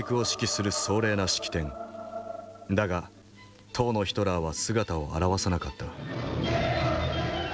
だが当のヒトラーは姿を現さなかった。